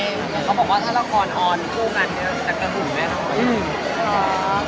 เขาบอกว่าถ้าละครออนด์กู้งานนะครับจะกระหุไหมครับ